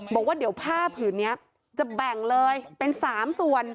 บอกว่าเดี๋ยวผ้าผืนนี้จะแบ่งเลยเป็น๓ส่วน